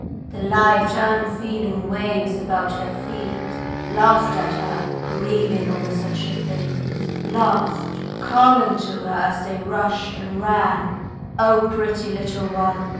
The light unfeeling waves about her feet Laughed at her grieving over such a thing Laughed, calling to her as they rushed and ran, "O pretty little one!